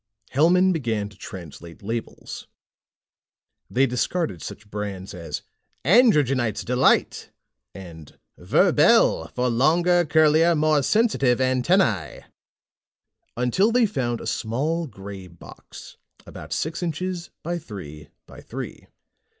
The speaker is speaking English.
Hellman began to translate labels. They discarded such brands as ANDROGYNITES' DELIGHT AND VERBELL FOR LONGER, CURLIER, MORE SENSITIVE ANTENNAE, until they found a small gray box, about six inches by three by three.